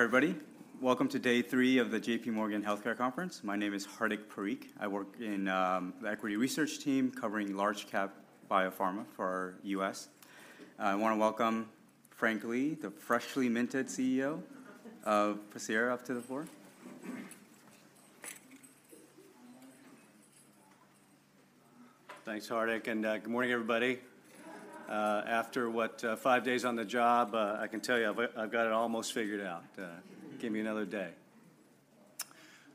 Hi, everybody. Welcome to day three of the JPMorgan Healthcare Conference. My name is Hardik Parikh. I work in the equity research team covering large cap biopharma for our U.S. I wanna welcome Frank Lee, the freshly minted CEO of Pacira, up to the floor. Thanks, Hardik, and good morning, everybody. After what, five days on the job, I can tell you, I've got it almost figured out. Give me another day.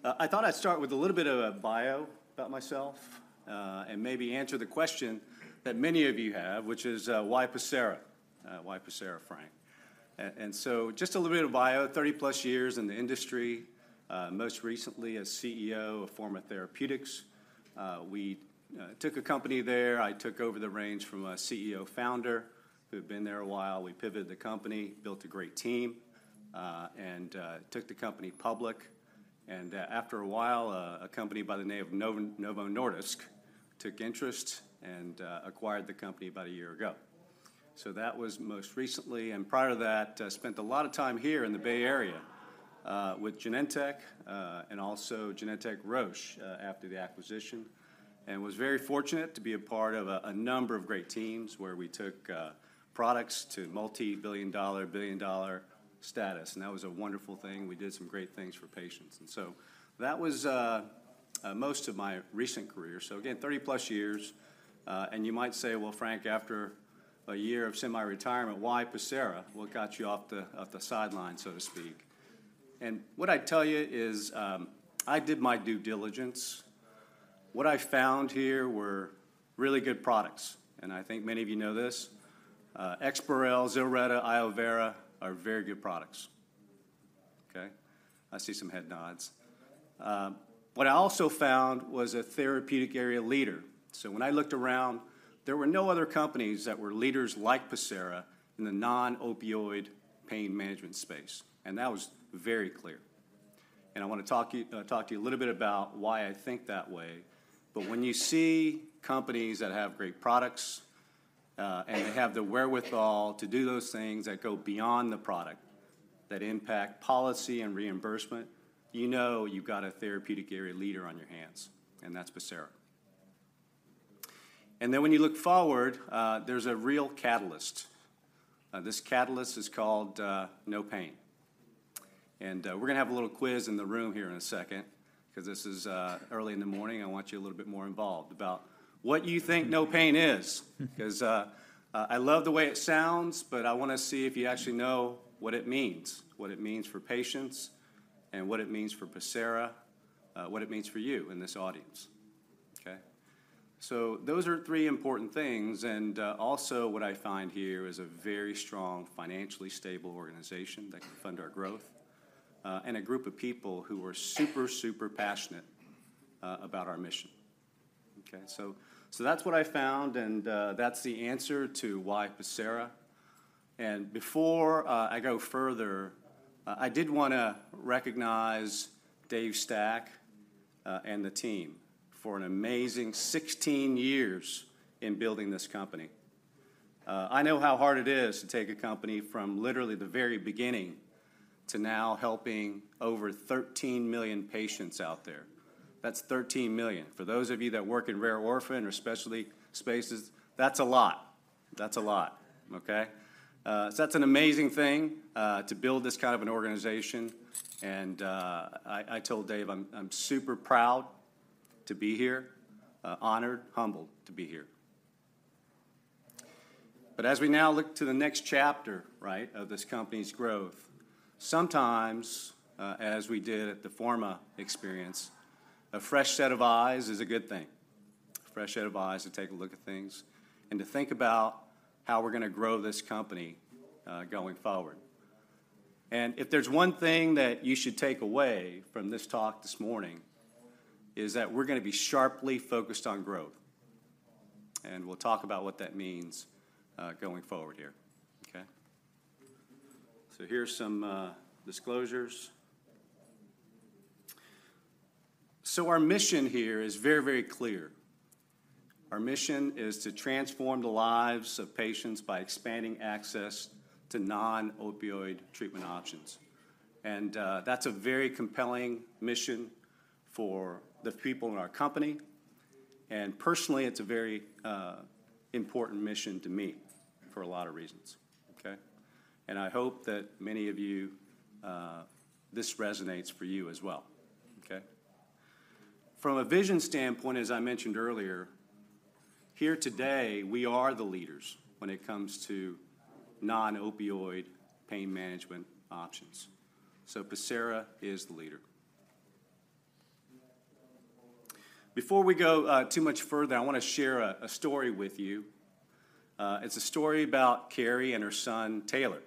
I thought I'd start with a little bit of a bio about myself, and maybe answer the question that many of you have, which is, why Pacira? Why Pacira, Frank? And so just a little bit of bio, 30+ years in the industry, most recently as CEO of Forma Therapeutics. We took a company there. I took over the reins from a CEO founder who had been there a while. We pivoted the company, built a great team, and took the company public. And, after a while, a company by the name of Novo Nordisk took interest and, acquired the company about a year ago. So that was most recently, and prior to that, spent a lot of time here in the Bay Area, with Genentech, and also Genentech, Roche, after the acquisition, and was very fortunate to be a part of a number of great teams where we took products to multi-billion-dollar, billion-dollar status, and that was a wonderful thing. We did some great things for patients. And so that was most of my recent career. So again, 30+ years, and you might say, "Well, Frank, after a year of semi-retirement, why Pacira? What got you off the sidelines, so to speak?" And what I'd tell you is, I did my due diligence. What I found here were really good products, and I think many of you know this. EXPAREL, ZILRETTA, iovera are very good products. Okay? I see some head nods. What I also found was a therapeutic area leader. So when I looked around, there were no other companies that were leaders like Pacira in the non-opioid pain management space, and that was very clear. I wanna talk to you a little bit about why I think that way. But when you see companies that have great products, and have the wherewithal to do those things that go beyond the product, that impact policy and reimbursement, you know you've got a therapeutic area leader on your hands, and that's Pacira. Then when you look forward, there's a real catalyst. This catalyst is called, NOPAIN. We're gonna have a little quiz in the room here in a second, 'cause this is early in the morning. I want you a little bit more involved about what you think NOPAIN is. 'Cause I love the way it sounds, but I wanna see if you actually know what it means, what it means for patients, and what it means for Pacira, what it means for you in this audience. Okay? So those are three important things, and also what I find here is a very strong, financially stable organization that can fund our growth, and a group of people who are super, super passionate about our mission. Okay, so that's what I found, and that's the answer to why Pacira. Before I go further, I did wanna recognize Dave Stack and the team for an amazing 16 years in building this company. I know how hard it is to take a company from literally the very beginning to now helping over 13 million patients out there. That's 13 million. For those of you that work in rare orphan or specialty spaces, that's a lot. That's a lot, okay? So that's an amazing thing to build this kind of an organization, and I told Dave I'm super proud to be here, honored, humbled to be here. But as we now look to the next chapter, right, of this company's growth, sometimes, as we did at the Forma experience, a fresh set of eyes is a good thing. A fresh set of eyes to take a look at things and to think about how we're gonna grow this company, going forward. And if there's one thing that you should take away from this talk this morning, is that we're gonna be sharply focused on growth. And we'll talk about what that means, going forward here, okay? So here's some disclosures. So our mission here is very, very clear. Our mission is to transform the lives of patients by expanding access to non-opioid treatment options. And that's a very compelling mission for the people in our company, and personally, it's a very important mission to me for a lot of reasons, okay? And I hope that many of you this resonates for you as well, okay? From a vision standpoint, as I mentioned earlier, here today, we are the leaders when it comes to non-opioid pain management options. So Pacira is the leader. Before we go too much further, I wanna share a story with you. It's a story about Carrie and her son, Taylor.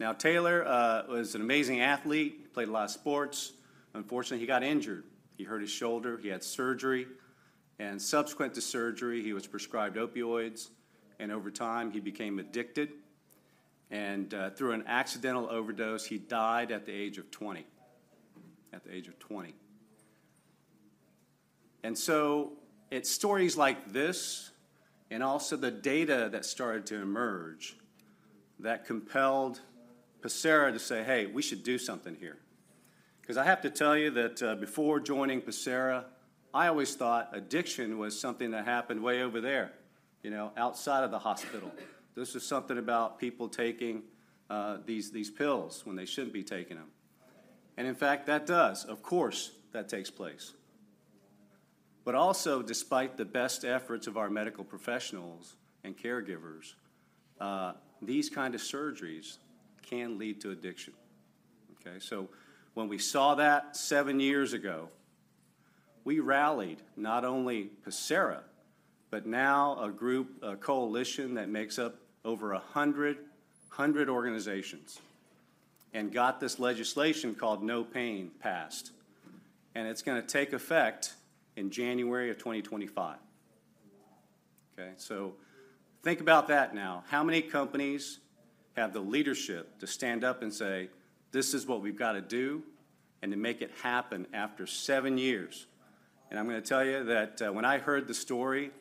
Now, Taylor was an amazing athlete, played a lot of sports. Unfortunately, he got injured. He hurt his shoulder, he had surgery, and subsequent to surgery, he was prescribed opioids, and over time, he became addicted, and through an accidental overdose, he died at the age of 20. At the age of 20. And so it's stories like this, and also the data that started to emerge, that compelled Pacira to say, "Hey, we should do something here." 'Cause I have to tell you that, before joining Pacira, I always thought addiction was something that happened way over there, you know, outside of the hospital. This was something about people taking these pills when they shouldn't be taking them. And in fact, that does. Of course, that takes place. But also, despite the best efforts of our medical professionals and caregivers, these kind of surgeries can lead to addiction, okay? So when we saw that seven years ago, we rallied not only Pacira, but now a group, a coalition that makes up over 100 organizations, and got this legislation called NOPAIN passed, and it's gonna take effect in January 2025. Okay? So think about that now. How many companies have the leadership to stand up and say, "This is what we've gotta do," and to make it happen after seven years? And I'm gonna tell you that, when I heard the story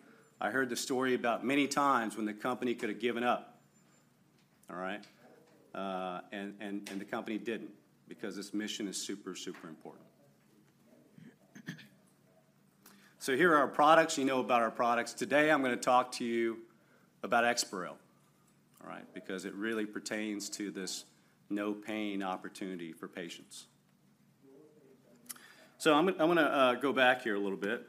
about many times when the company could have given up, all right? And the company didn't, because this mission is super, super important. So here are our products. You know about our products. Today, I'm gonna talk to you about EXPAREL, all right? Because it really pertains to this NOPAIN opportunity for patients. So I wanna go back here a little bit,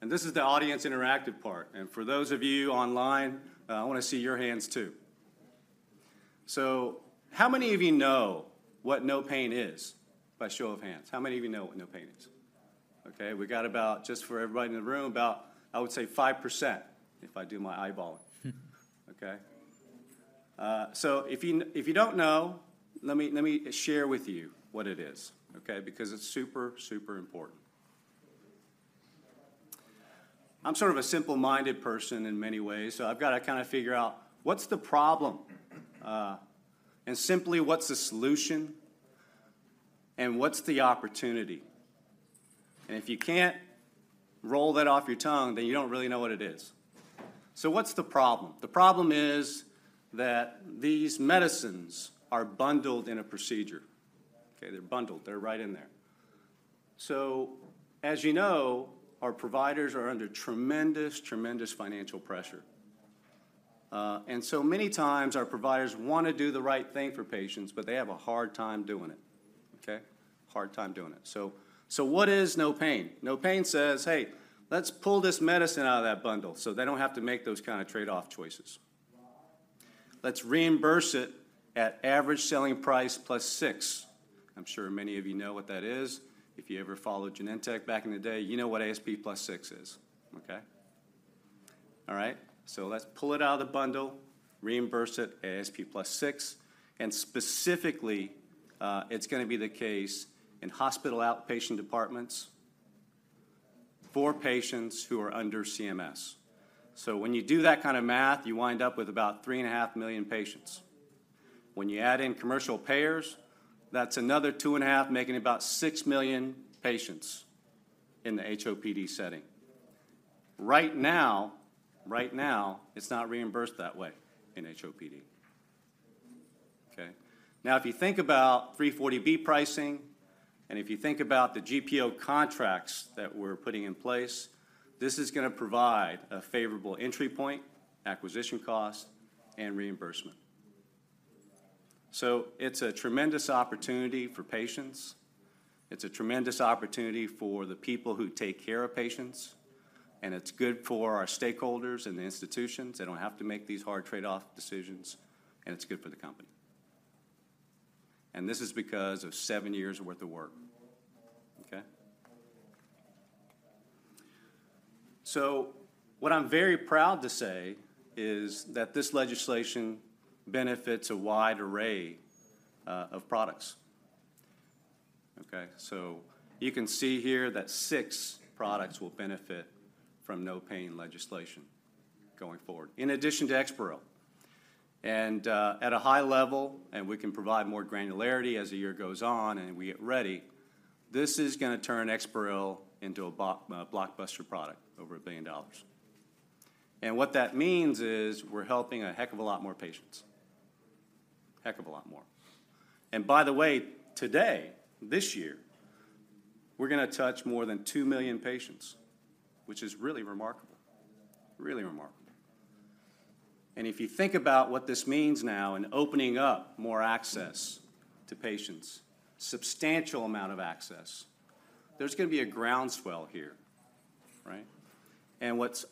and this is the audience interactive part. And for those of you online, I wanna see your hands, too. So how many of you know what NOPAIN is, by show of hands? How many of you know what NOPAIN is? Okay, we got about, just for everybody in the room, about, I would say, 5%, if I do my eyeballing. Okay. So if you don't know, let me, let me share with you what it is, okay? Because it's super, super important. I'm sort of a simple-minded person in many ways, so I've gotta kinda figure out, what's the problem? And simply, what's the solution, and what's the opportunity? And if you can't roll that off your tongue, then you don't really know what it is. So what's the problem? The problem is that these medicines are bundled in a procedure. Okay, they're bundled. They're right in there. So, as you know, our providers are under tremendous, tremendous financial pressure. And so many times, our providers wanna do the right thing for patients, but they have a hard time doing it, okay? Hard time doing it. So what is NOPAIN? NOPAIN says, "Hey, let's pull this medicine out of that bundle so they don't have to make those kind of trade-off choices. Let's reimburse it at average selling price plus 6." I'm sure many of you know what that is. If you ever followed Genentech back in the day, you know what ASP plus 6 is, okay? All right, so let's pull it out of the bundle, reimburse it ASP plus 6, and specifically, it's gonna be the case in hospital outpatient departments for patients who are under CMS. So when you do that kind of math, you wind up with about 3.5 million patients. When you add in commercial payers, that's another 2.5, making it about 6 million patients in the HOPD setting. Right now, right now, it's not reimbursed that way in HOPD. Okay? Now, if you think about 340B pricing, and if you think about the GPO contracts that we're putting in place, this is gonna provide a favorable entry point, acquisition cost, and reimbursement. So it's a tremendous opportunity for patients, it's a tremendous opportunity for the people who take care of patients, and it's good for our stakeholders and the institutions. They don't have to make these hard trade-off decisions, and it's good for the company. And this is because of seven years' worth of work, okay? So what I'm very proud to say is that this legislation benefits a wide array of products. Okay? So you can see here that six products will benefit from NOPAIN legislation going forward, in addition to EXPAREL. At a high level, and we can provide more granularity as the year goes on and we get ready, this is gonna turn EXPAREL into a blockbuster product, over $1 billion. And what that means is, we're helping a heck of a lot more patients. Heck of a lot more. And by the way, today, this year, we're gonna touch more than 2 million patients, which is really remarkable. Really remarkable. And if you think about what this means now in opening up more access to patients, substantial amount of access, there's gonna be a groundswell here, right? And what's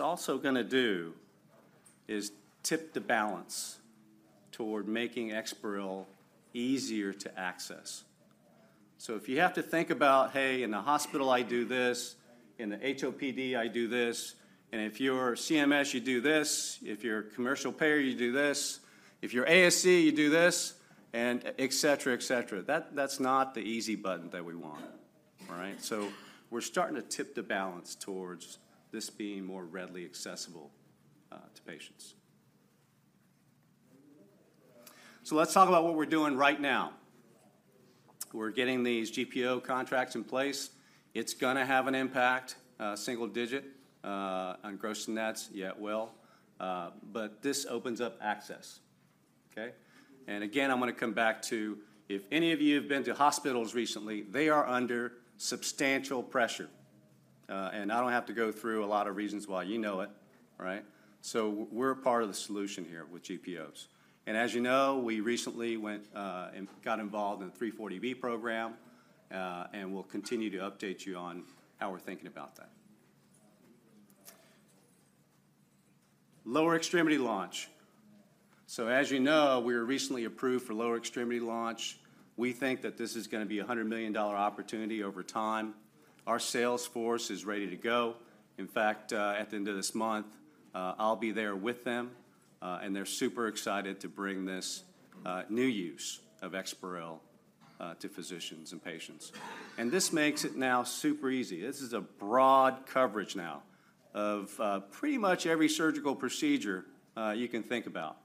also gonna do is tip the balance toward making EXPAREL easier to access. So if you have to think about, "Hey, in the hospital, I do this, in the HOPD, I do this," and if you're CMS, you do this, if you're a commercial payer, you do this, if you're ASC, you do this, and et cetera, et cetera, that, that's not the easy button that we want, all right? So we're starting to tip the balance towards this being more readily accessible to patients. So let's talk about what we're doing right now. We're getting these GPO contracts in place. It's gonna have an impact, single digit, on gross nets. Yeah, it will. But this opens up access, okay? And again, I'm gonna come back to, if any of you have been to hospitals recently, they are under substantial pressure. And I don't have to go through a lot of reasons why. You know it, right? So we're a part of the solution here with GPOs. And as you know, we recently went and got involved in the 340B program, and we'll continue to update you on how we're thinking about that. Lower extremity launch. So as you know, we were recently approved for lower extremity launch. We think that this is gonna be a $100 million opportunity over time. Our sales force is ready to go. In fact, at the end of this month, I'll be there with them, and they're super excited to bring this new use of EXPAREL to physicians and patients. And this makes it now super easy. This is a broad coverage now of pretty much every surgical procedure you can think about.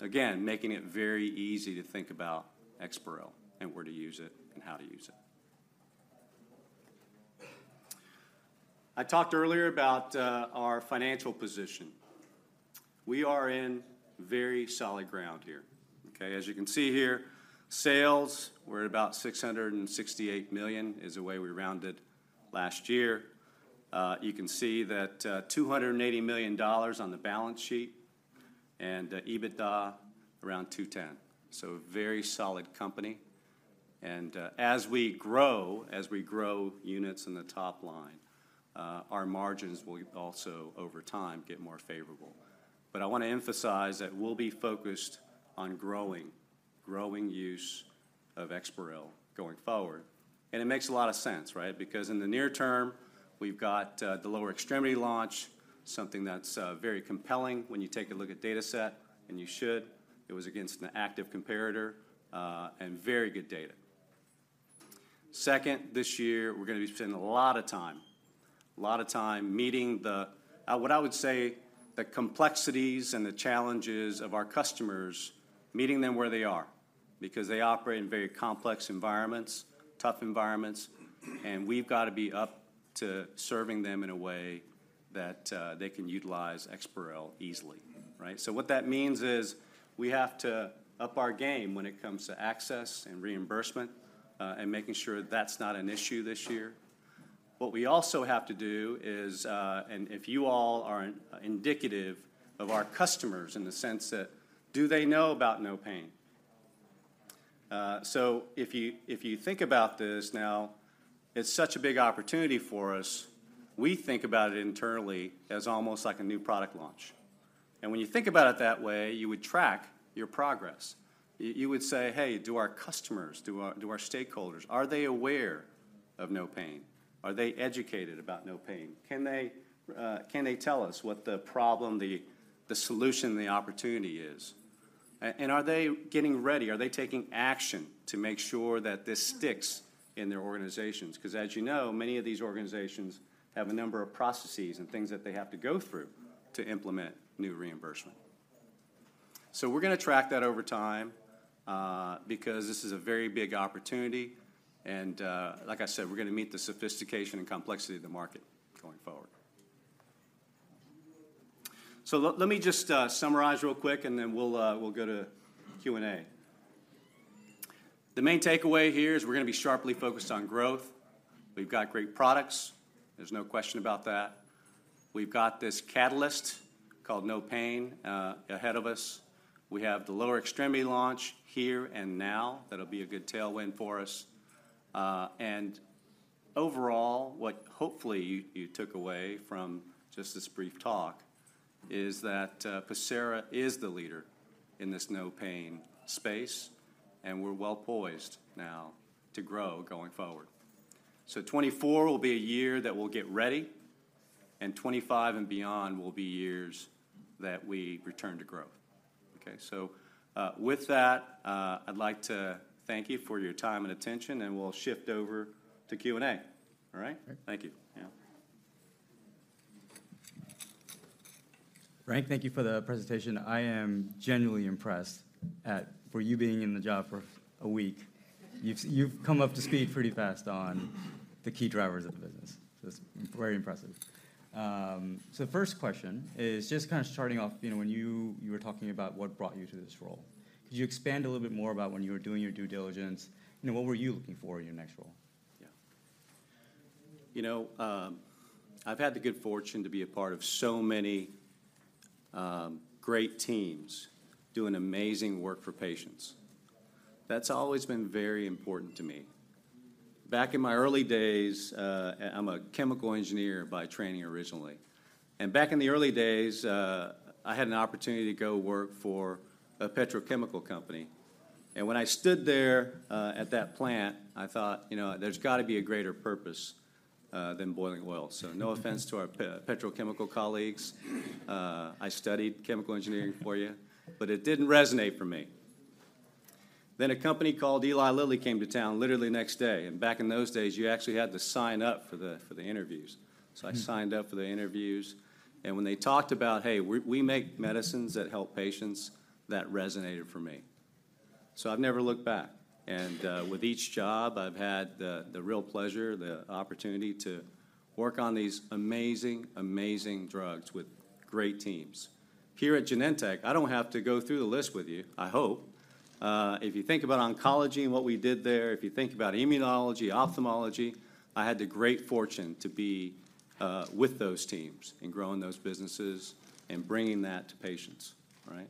Again, making it very easy to think about EXPAREL, and where to use it, and how to use it. I talked earlier about our financial position. We are in very solid ground here, okay? As you can see here, sales were at about $668 million, is the way we rounded last year. You can see that $280 million on the balance sheet, and EBITDA around 210. So a very solid company. And, as we grow, as we grow units in the top line, our margins will also, over time, get more favorable. But I wanna emphasize that we'll be focused on growing, growing use of EXPAREL going forward. And it makes a lot of sense, right? Because in the near term, we've got the lower extremity launch, something that's very compelling when you take a look at dataset, and you should. It was against an active comparator, and very good data. Second, this year, we're gonna be spending a lot of time, a lot of time meeting the what I would say, the complexities and the challenges of our customers, meeting them where they are, because they operate in very complex environments, tough environments, and we've got to be up to serving them in a way that they can utilize EXPAREL easily, right? So what that means is, we have to up our game when it comes to access and reimbursement, and making sure that's not an issue this year. What we also have to do is... And if you all are indicative of our customers, in the sense that, do they know about NOPAIN? So if you think about this now, it's such a big opportunity for us. We think about it internally as almost like a new product launch. And when you think about it that way, you would track your progress. You would say, "Hey, do our customers, do our stakeholders, are they aware of NOPAIN? Are they educated about NOPAIN? Can they can they tell us what the problem, the solution, and the opportunity is? And are they getting ready? Are they taking action to make sure that this sticks in their organizations?" 'Cause as you know, many of these organizations have a number of processes and things that they have to go through to implement new reimbursement. So we're gonna track that over time, because this is a very big opportunity, and, like I said, we're gonna meet the sophistication and complexity of the market going forward. So let me just summarize real quick, and then we'll go to Q&A. The main takeaway here is we're gonna be sharply focused on growth. We've got great products, there's no question about that. We've got this catalyst, called NOPAIN, ahead of us. We have the lower extremity launch here and now, that'll be a good tailwind for us. And overall, what hopefully you took away from just this brief talk, is that, Pacira is the leader in this NOPAIN space, and we're well poised now to grow going forward. So 2024 will be a year that we'll get ready, and 2025 and beyond will be years that we return to growth. Okay, so, I'd like to thank you for your time and attention, and we'll shift over to Q&A. All right? All right. Thank you. Yeah. Frank, thank you for the presentation. I am genuinely impressed for you being in the job for a week. You've come up to speed pretty fast on the key drivers of the business. So it's very impressive. So the first question is just kind of starting off, you know, when you were talking about what brought you to this role. Could you expand a little bit more about when you were doing your due diligence, you know, what were you looking for in your next role? Yeah. You know, I've had the good fortune to be a part of so many great teams, doing amazing work for patients. That's always been very important to me. Back in my early days... I'm a chemical engineer by training, originally. And back in the early days, I had an opportunity to go work for a petrochemical company. And when I stood there at that plant, I thought, "You know, there's got to be a greater purpose than boiling oil." So no offense to our petrochemical colleagues, I studied chemical engineering for you, but it didn't resonate for me. Then a company called Eli Lilly came to town, literally next day. And back in those days, you actually had to sign up for the interviews. Mm. So I signed up for the interviews, and when they talked about, "Hey, we make medicines that help patients," that resonated for me. So I've never looked back. And with each job, I've had the real pleasure, the opportunity to work on these amazing, amazing drugs with great teams. Here at Genentech, I don't have to go through the list with you, I hope. If you think about oncology and what we did there, if you think about immunology, ophthalmology, I had the great fortune to be with those teams in growing those businesses and bringing that to patients, right?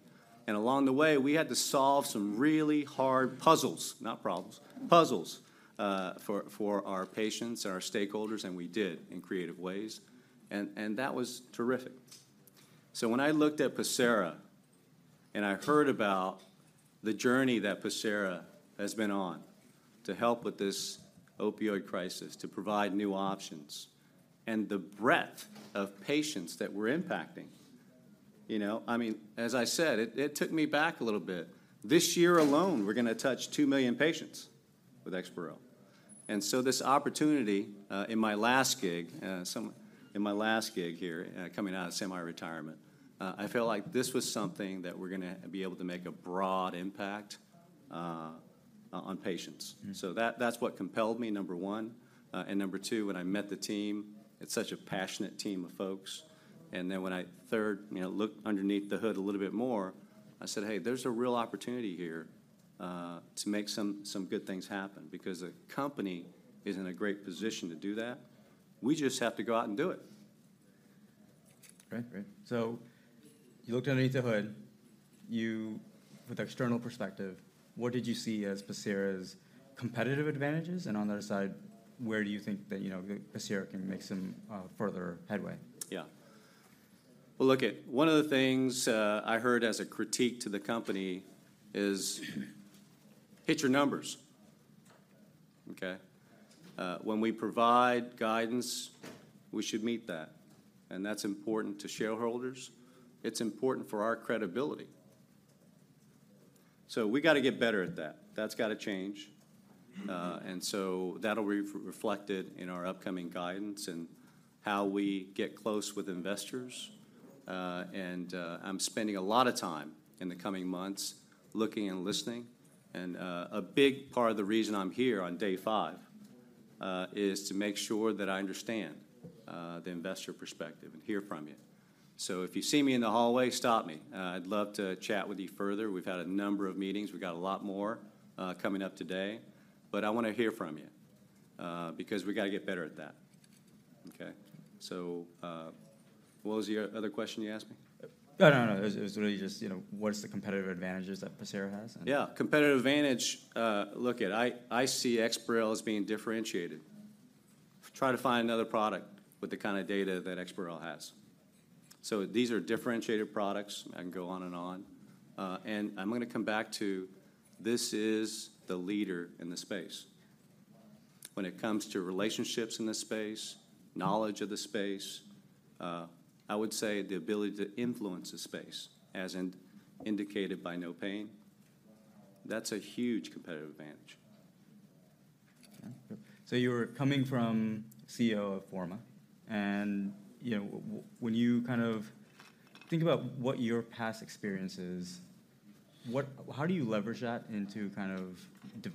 And along the way, we had to solve some really hard puzzles, not problems, puzzles, for our patients and our stakeholders, and we did in creative ways, and that was terrific. So when I looked at Pacira, and I heard about the journey that Pacira has been on to help with this opioid crisis, to provide new options, and the breadth of patients that we're impacting, you know. I mean, as I said, it took me back a little bit. This year alone, we're gonna touch 2 million patients with EXPAREL. And so this opportunity, in my last gig here, coming out of semi-retirement, I felt like this was something that we're gonna be able to make a broad impact on patients. Mm. So that, that's what compelled me, number one. And number two, when I met the team, it's such a passionate team of folks. And then when I, third, you know, looked underneath the hood a little bit more, I said, "Hey, there's a real opportunity here, to make some, some good things happen," because the company is in a great position to do that. We just have to go out and do it. Okay, great. So you looked underneath the hood. With external perspective, what did you see as Pacira's competitive advantages? And on the other side, where do you think that, you know, Pacira can make some further headway? Yeah. Well, look at one of the things I heard as a critique to the company is hit your numbers, okay? When we provide guidance, we should meet that, and that's important to shareholders. It's important for our credibility. So we gotta get better at that. That's gotta change. And so that'll be reflected in our upcoming guidance and how we get close with investors. And, I'm spending a lot of time in the coming months looking and listening, and, a big part of the reason I'm here on day five, is to make sure that I understand, the investor perspective and hear from you. So if you see me in the hallway, stop me. I'd love to chat with you further. We've had a number of meetings. We've got a lot more, coming up today, but I wanna hear from you, because we gotta get better at that, okay? So, what was your other question you asked me? No, no, no. It was, it was really just, you know, what is the competitive advantages that Pacira has, and- Yeah, competitive advantage, look at... I see EXPAREL as being differentiated. Try to find another product with the kind of data that EXPAREL has. So these are differentiated products. I can go on and on. And I'm gonna come back to, this is the leader in the space. When it comes to relationships in the space, knowledge of the space, I would say the ability to influence the space, as indicated by NOPAIN, that's a huge competitive advantage. Okay, good. So you were coming from CEO of Forma, and, you know, when you kind of think about what your past experience is, how do you leverage that into kind of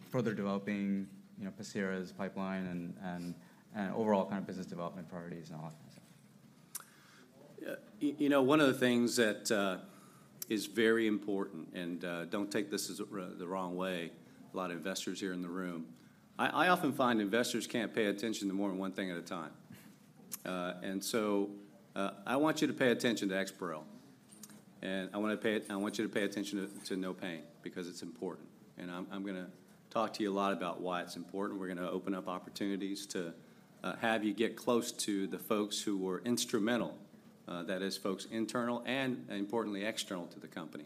further developing, you know, Pacira's pipeline and overall kind of business development priorities and all that stuff? You know, one of the things that is very important, and don't take this as the wrong way, a lot of investors here in the room, I often find investors can't pay attention to more than one thing at a time. And so, I want you to pay attention to EXPAREL, and I want you to pay attention to NOPAIN, because it's important. And I'm gonna talk to you a lot about why it's important. We're gonna open up opportunities to have you get close to the folks who were instrumental, that is, folks internal and importantly, external to the company.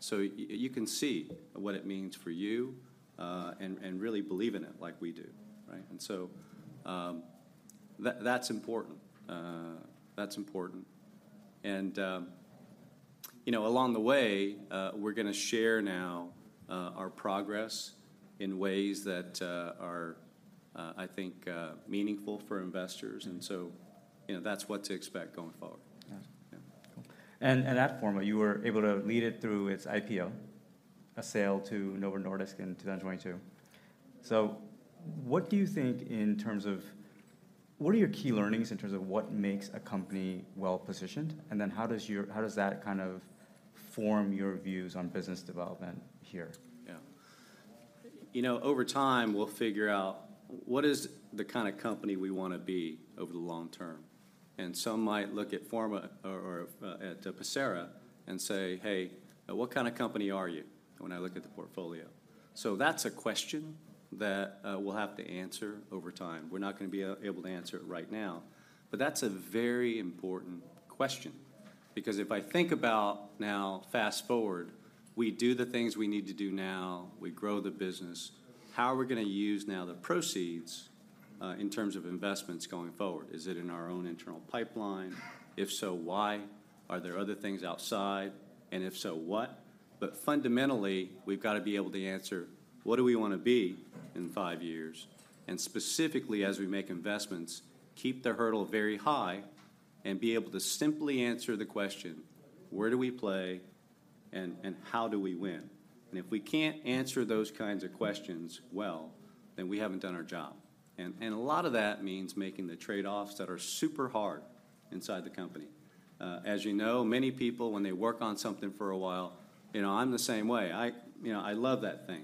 So you can see what it means for you, and really believe in it like we do, right? And so, that, that's important. That's important. You know, along the way, we're gonna share now our progress in ways that are, I think, meaningful for investors, and so, you know, that's what to expect going forward. Got it. Yeah. And at Forma, you were able to lead it through its IPO, a sale to Novo Nordisk in 2022. So what do you think in terms of... What are your key learnings in terms of what makes a company well-positioned, and then how does that kind of form your views on business development here? Yeah. You know, over time, we'll figure out what is the kind of company we wanna be over the long term, and some might look at Forma or at Pacira and say, "Hey, what kind of company are you?" when I look at the portfolio. So that's a question that we'll have to answer over time. We're not gonna be able to answer it right now, but that's a very important question. Because if I think about now, fast-forward, we do the things we need to do now, we grow the business, how are we gonna use now the proceeds? In terms of investments going forward? Is it in our own internal pipeline? If so, why? Are there other things outside, and if so, what? But fundamentally, we've gotta be able to answer: what do we wanna be in five years? And specifically, as we make investments, keep the hurdle very high, and be able to simply answer the question: where do we play, and, and how do we win? And if we can't answer those kinds of questions well, then we haven't done our job. And, and a lot of that means making the trade-offs that are super hard inside the company. As you know, many people, when they work on something for a while... You know, I'm the same way. I, you know, I love that thing.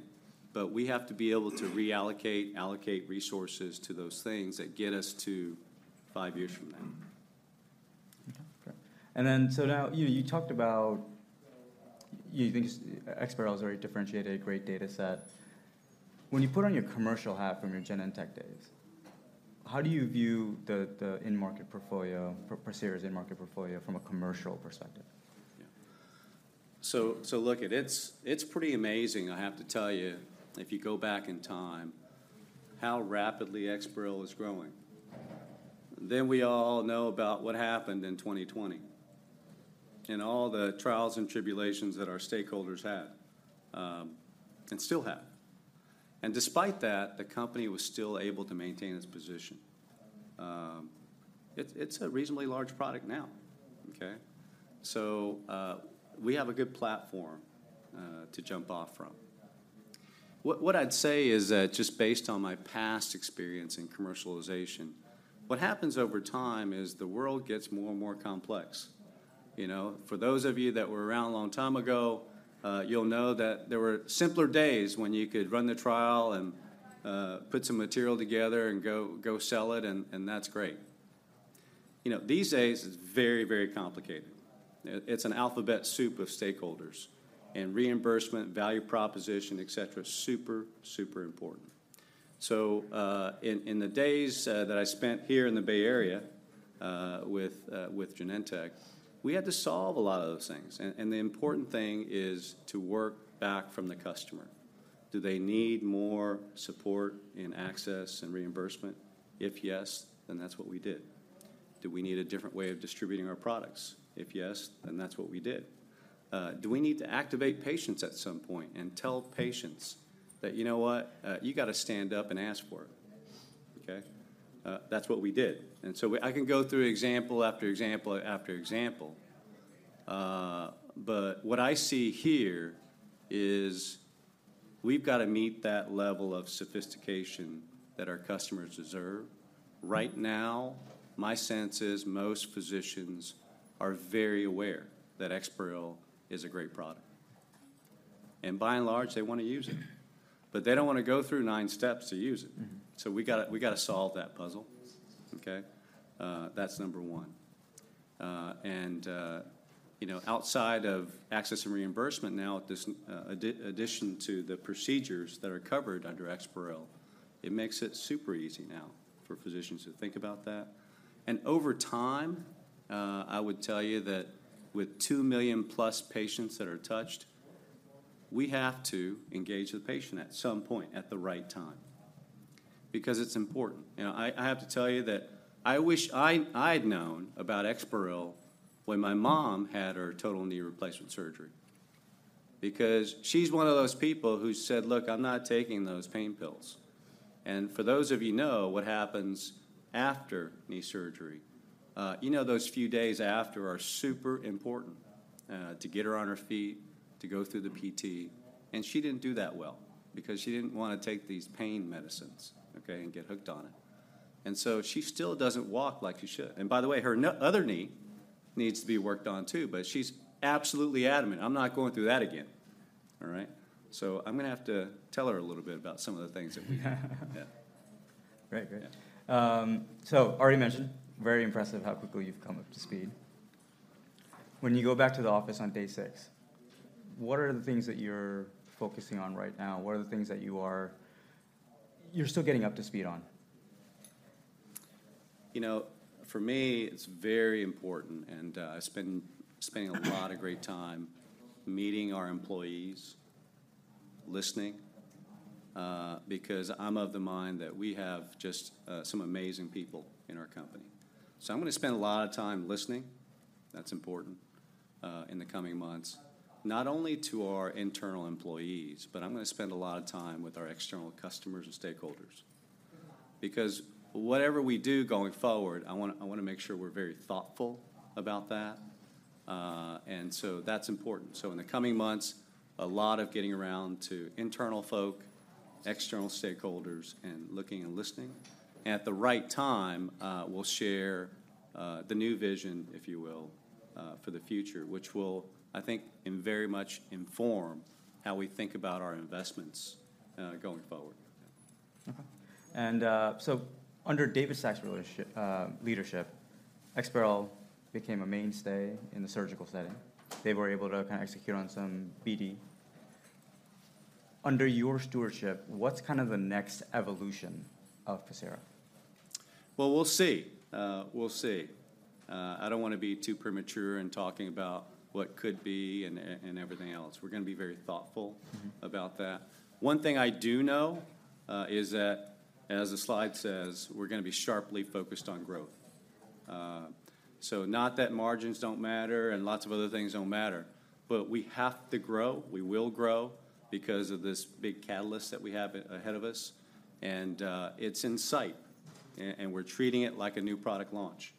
But we have to be able to reallocate and allocate resources to those things that get us to five years from now. Okay, great. And then, so now, you talked about, you think EXPAREL is very differentiated, a great data set. When you put on your commercial hat from your Genentech days, how do you view the in-market portfolio, Pacira's in-market portfolio, from a commercial perspective? Yeah. So look, it's pretty amazing, I have to tell you, if you go back in time, how rapidly EXPAREL is growing. Then we all know about what happened in 2020, and all the trials and tribulations that our stakeholders had, and still have. And despite that, the company was still able to maintain its position. It's a reasonably large product now, okay? So we have a good platform to jump off from. What I'd say is that, just based on my past experience in commercialization, what happens over time is the world gets more and more complex. You know, for those of you that were around a long time ago, you'll know that there were simpler days when you could run the trial and put some material together and go sell it, and that's great. You know, these days, it's very, very complicated. It's an alphabet soup of stakeholders, and reimbursement, value proposition, et cetera, super, super important. So, in the days that I spent here in the Bay Area, with Genentech, we had to solve a lot of those things, and the important thing is to work back from the customer. Do they need more support in access and reimbursement? If yes, then that's what we did. Do we need a different way of distributing our products? If yes, then that's what we did. Do we need to activate patients at some point and tell patients that, "You know what? You gotta stand up and ask for it," okay? That's what we did. And so I can go through example after example after example. But what I see here is, we've gotta meet that level of sophistication that our customers deserve. Right now, my sense is most physicians are very aware that EXPAREL is a great product, and by and large, they wanna use it, but they don't wanna go through nine steps to use it. Mm-hmm. So we gotta, we gotta solve that puzzle, okay? That's number one. And you know, outside of access and reimbursement now, this addition to the procedures that are covered under EXPAREL, it makes it super easy now for physicians to think about that. And over time, I would tell you that with 2 million-plus patients that are touched, we have to engage the patient at some point at the right time, because it's important. You know, I have to tell you that I wish I'd known about EXPAREL when my mom had her total knee replacement surgery, because she's one of those people who said, "Look, I'm not taking those pain pills." And for those of you who know what happens after knee surgery, you know those few days after are super important to get her on her feet, to go through the PT, and she didn't do that well, because she didn't wanna take these pain medicines, okay, and get hooked on it. And so she still doesn't walk like she should. And by the way, her other knee needs to be worked on, too, but she's absolutely adamant: "I'm not going through that again." All right? So I'm gonna have to tell her a little bit about some of the things that we have. Yeah. Great, great. Yeah. So already mentioned, very impressive how quickly you've come up to speed. When you go back to the office on day six, what are the things that you're focusing on right now? What are the things that you're still getting up to speed on? You know, for me, it's very important, and I've been spending a lot of great time meeting our employees, listening, because I'm of the mind that we have just some amazing people in our company. So I'm gonna spend a lot of time listening, that's important, in the coming months, not only to our internal employees, but I'm gonna spend a lot of time with our external customers and stakeholders. Because whatever we do going forward, I wanna, I wanna make sure we're very thoughtful about that. And so that's important. So in the coming months, a lot of getting around to internal folk, external stakeholders, and looking and listening. At the right time, we'll share the new vision, if you will, for the future, which will, I think, in very much inform how we think about our investments going forward. Okay. Under David Stack's leadership, EXPAREL became a mainstay in the surgical setting. They were able to kind of execute on some BD. Under your stewardship, what's kind of the next evolution of Pacira?... Well, we'll see. We'll see. I don't wanna be too premature in talking about what could be and everything else. We're gonna be very thoughtful- Mm-hmm... about that. One thing I do know is that, as the slide says, we're gonna be sharply focused on growth. So not that margins don't matter and lots of other things don't matter, but we have to grow. We will grow because of this big catalyst that we have ahead of us, and it's in sight, and we're treating it like a new product launch.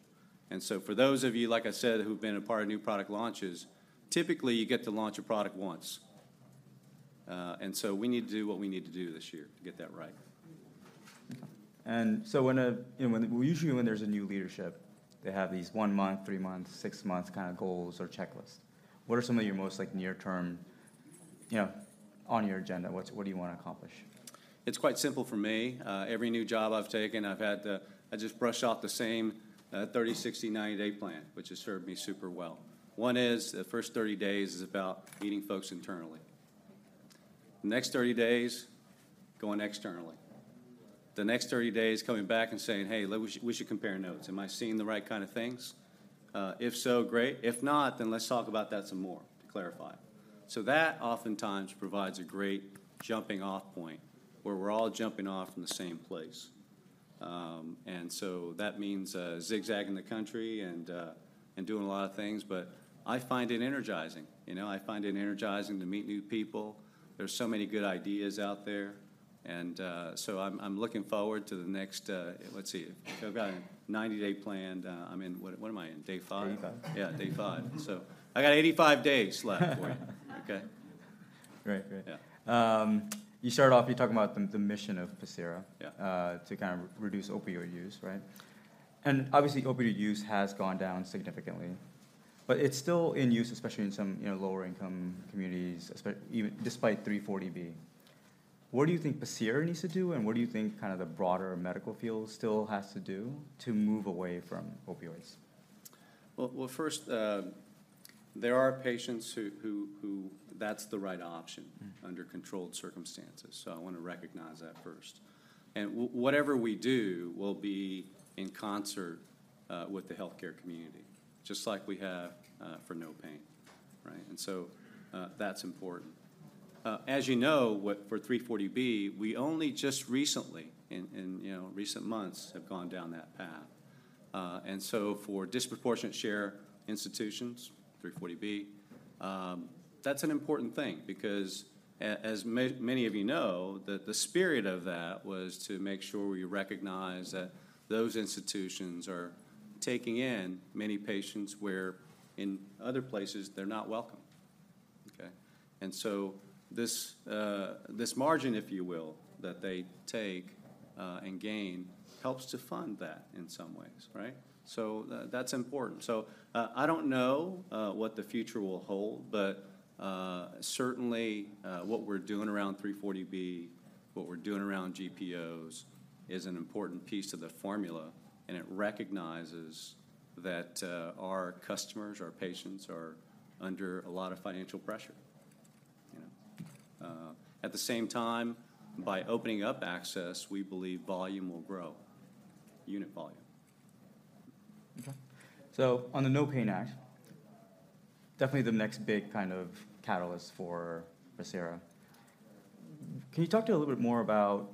And so for those of you, like I said, who've been a part of new product launches, typically, you get to launch a product once. And so we need to do what we need to do this year to get that right. So when, you know, usually when there's a new leadership, they have these one-month, three-months, six-months kind of goals or checklists. What are some of your most, like, near-term, you know. On your agenda, what do you want to accomplish? It's quite simple for me. Every new job I've taken, I just brush off the same 30, 60, 90-day plan, which has served me super well. One is, the first 30 days is about meeting folks internally. The next 30 days, going externally. The next 30 days, coming back and saying, "Hey, we should, we should compare notes. Am I seeing the right kind of things? If so, great. If not, then let's talk about that some more to clarify." So that oftentimes provides a great jumping-off point, where we're all jumping off from the same place. And so that means zigzagging the country and doing a lot of things, but I find it energizing. You know, I find it energizing to meet new people. There's so many good ideas out there, and so I'm looking forward to the next. Let's see. I've got a 90-day plan. I'm in—what am I in? Day five. Day five. Yeah, day five. Mm-hmm. I got 85 days left for you. Okay? Great. Great. Yeah. You started off, you talking about the mission of Pacira- Yeah to kind of reduce opioid use, right? And obviously, opioid use has gone down significantly, but it's still in use, especially in some, you know, lower-income communities, even despite 340B. What do you think Pacira needs to do, and what do you think kind of the broader medical field still has to do to move away from opioids? Well, well, first, there are patients who that's the right option- Mm-hmm... under controlled circumstances, so I wanna recognize that first. Whatever we do will be in concert with the healthcare community, just like we have for NOPAIN, right? So that's important. As you know, for 340B, we only just recently, in you know, recent months, have gone down that path. And so for disproportionate share institutions, 340B, that's an important thing because as many of you know, the spirit of that was to make sure we recognize that those institutions are taking in many patients where, in other places, they're not welcome, okay? And so this margin, if you will, that they take and gain, helps to fund that in some ways, right? So that's important. So, I don't know what the future will hold, but certainly what we're doing around 340B, what we're doing around GPOs, is an important piece of the formula, and it recognizes that our customers, our patients, are under a lot of financial pressure, you know? At the same time, by opening up access, we believe volume will grow, unit volume. Okay. So on the NOPAIN Act, definitely the next big kind of catalyst for Pacira. Can you talk to me a little bit more about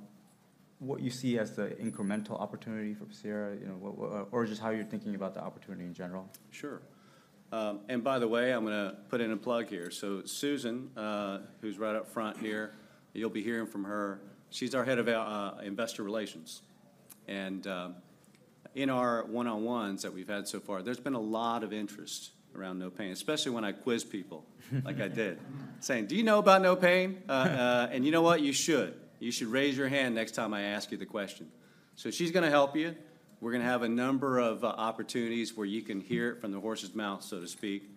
what you see as the incremental opportunity for Pacira? You know, what... Or just how you're thinking about the opportunity in general. Sure. And by the way, I'm gonna put in a plug here. So Susan, who's right up front here, you'll be hearing from her. She's our head of investor relations. In our one-on-ones that we've had so far, there's been a lot of interest around NOPAIN, especially when I quiz people—like I did, saying, "Do you know about NOPAIN? And you know what? You should. You should raise your hand next time I ask you the question." So she's gonna help you. We're gonna have a number of opportunities where you can hear it from the horse's mouth, so to speak,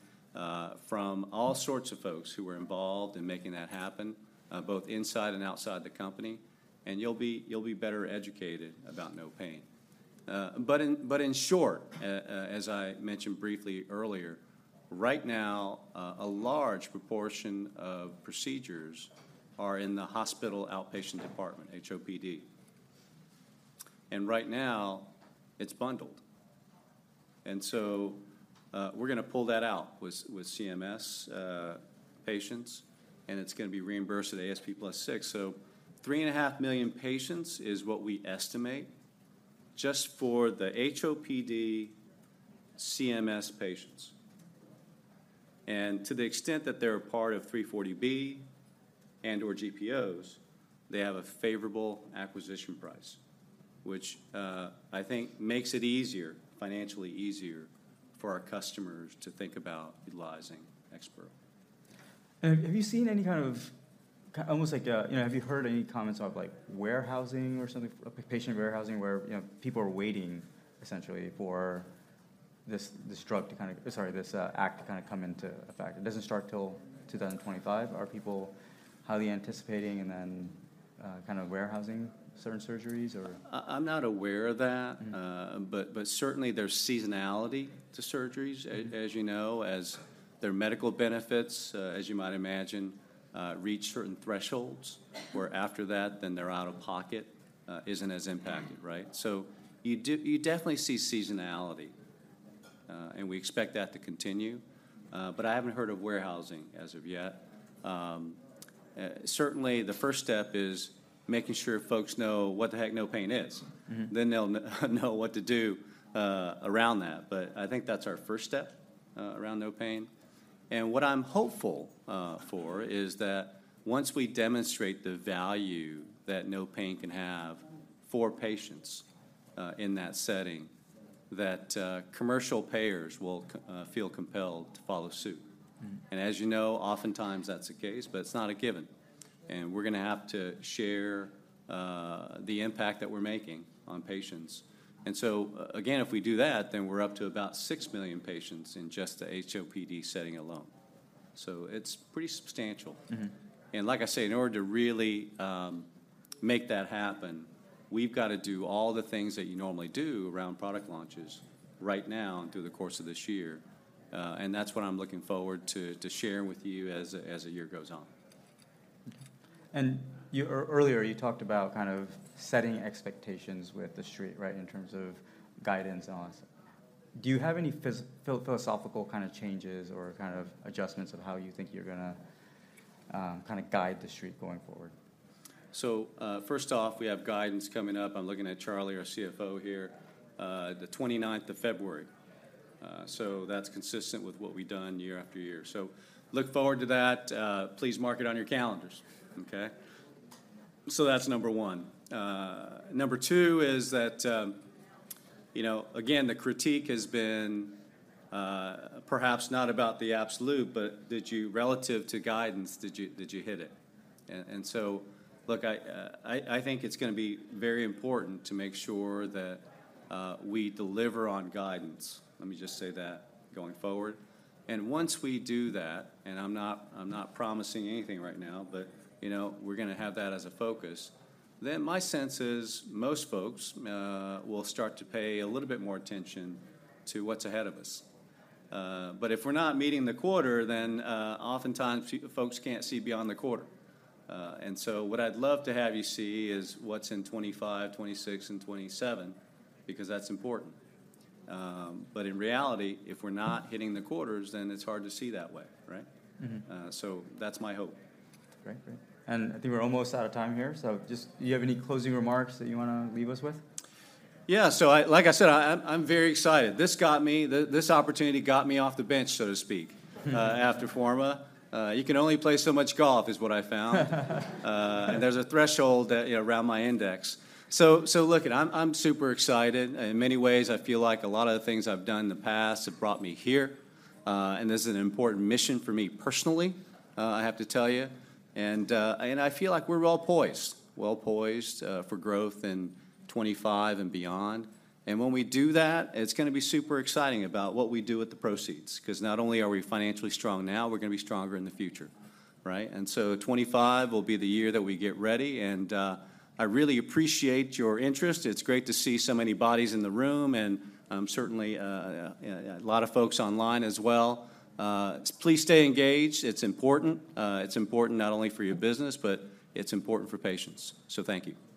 from all sorts of folks who were involved in making that happen, both inside and outside the company, and you'll be, you'll be better educated about NOPAIN. But in short, as I mentioned briefly earlier, right now, a large proportion of procedures are in the hospital outpatient department, HOPD. Right now, it's bundled. So, we're gonna pull that out with CMS patients, and it's gonna be reimbursed at ASP plus 6. So 3.5 million patients is what we estimate, just for the HOPD CMS patients. And to the extent that they're a part of 340B and/or GPOs, they have a favorable acquisition price, which I think makes it easier, financially easier, for our customers to think about utilizing EXPAREL. Have you seen any kind of almost like a, you know, have you heard any comments about, like, warehousing or something, like patient warehousing, where, you know, people are waiting, essentially, for this, this drug to kind of... Sorry, this act to kind of come into effect? It doesn't start till 2025. Are people highly anticipating and then kind of warehousing certain surgeries, or? I'm not aware of that. Mm-hmm. But certainly, there's seasonality to surgeries- Mm-hmm As you know, as there are medical benefits, as you might imagine, reach certain thresholds, where after that, then they're out of pocket isn't as impacted, right? So you definitely see seasonality, and we expect that to continue, but I haven't heard of warehousing as of yet. Certainly, the first step is making sure folks know what the heck NOPAIN is. Mm-hmm. Then they'll know what to do around that. But I think that's our first step around NOPAIN. And what I'm hopeful for is that once we demonstrate the value that NOPAIN can have for patients in that setting, that commercial payers will feel compelled to follow suit. Mm-hmm. As you know, oftentimes that's the case, but it's not a given, and we're gonna have to share the impact that we're making on patients. So, again, if we do that, then we're up to about 6 million patients in just the HOPD setting alone, so it's pretty substantial. Mm-hmm. Like I say, in order to really make that happen, we've gotta do all the things that you normally do around product launches right now and through the course of this year. That's what I'm looking forward to, to sharing with you as a, as the year goes on. And you.. Earlier, you talked about kind of setting expectations with TheStreet, right? In terms of guidance on... Do you have any philosophical kind of changes or kind of adjustments of how you think you're gonna kind of guide TheStreet going forward? So, first off, we have guidance coming up. I'm looking at Charlie, our CFO here, the 29th of February. So that's consistent with what we've done year after year. So look forward to that. Please mark it on your calendars, okay? So that's number one. Number two is that, you know, again, the critique has been, perhaps not about the absolute, but did you.. Relative to guidance, did you, did you hit it? And so look, I think it's gonna be very important to make sure that we deliver on guidance, let me just say that, going forward. And once we do that, and I'm not, I'm not promising anything right now, but, you know, we're gonna have that as a focus, then my sense is most folks will start to pay a little bit more attention to what's ahead of us. But if we're not meeting the quarter, then, oftentimes, folks can't see beyond the quarter. And so what I'd love to have you see is what's in 2025, 2026, and 2027, because that's important. But in reality, if we're not hitting the quarters, then it's hard to see that way, right? Mm-hmm. So that's my hope. Great, great. I think we're almost out of time here, so just... Do you have any closing remarks that you wanna leave us with? Yeah, so like I said, I'm very excited. This opportunity got me off the bench, so to speak, after Forma. You can only play so much golf, is what I found. And there's a threshold that, you know, around my index. So look, and I'm super excited. In many ways, I feel like a lot of the things I've done in the past have brought me here. And this is an important mission for me personally, I have to tell you. And I feel like we're well-poised, well-poised, for growth in 2025 and beyond. And when we do that, it's gonna be super exciting about what we do with the proceeds, 'cause not only are we financially strong now, we're gonna be stronger in the future, right? And so 2025 will be the year that we get ready, and I really appreciate your interest. It's great to see so many bodies in the room, and certainly a lot of folks online as well. Please stay engaged. It's important. It's important not only for your business, but it's important for patients. So thank you.